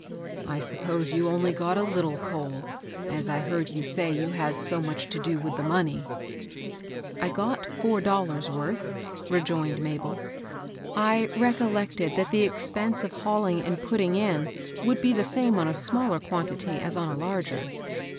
" I suppose you only got a 192 MABEL ROSS. little coal, as I heard you say you had so much to do witli the money ?"" I got four dollars' worth," rejoined Mabel. " I recollected that the expense of hauUng and put ting in would be the same on a smaller quantity as on a larger."